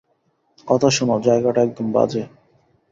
কথা শোন, জায়গাটা একদম বাজে!